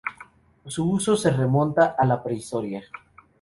Su uso se remonta a la Prehistoria.